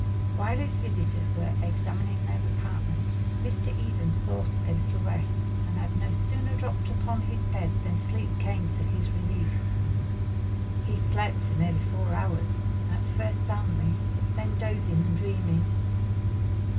While his visitors were examining their apartments, Mr. Eden sought a little rest, and had no sooner dropped upon his bed than sleep came to his relief. He slept for nearly four hours; at first soundly, then dozing and dreaming.